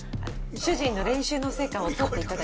主人の練習の成果を撮って頂ける？